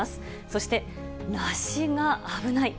そして、梨が危ない。